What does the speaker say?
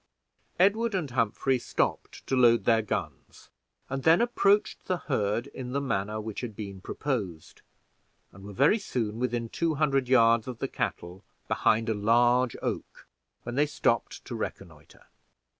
Edward and Humphrey stopped to load their guns, and then approached the herd in manner which had been proposed, and were very soon within two hundred yards of the cattle, behind a large oak, when they stopped to reconnoiter.